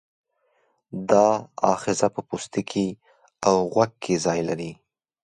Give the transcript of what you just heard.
دا آخذه په پوستکي او غوږ کې ځای لري.